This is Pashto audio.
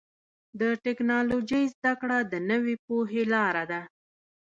د ټکنالوجۍ زدهکړه د نوې پوهې لاره ده.